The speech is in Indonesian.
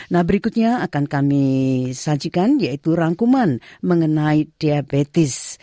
nah berikutnya akan kami sajikan yaitu rangkuman mengenai diabetes